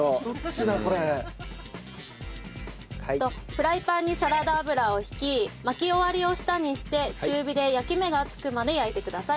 フライパンにサラダ油を引き巻き終わりを下にして中火で焼き目がつくまで焼いてください。